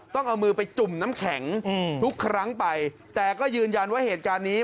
ต้องเอามือไปจุ่มน้ำแข็งทุกครั้งไปแต่ก็ยืนยันว่าเหตุการณ์นี้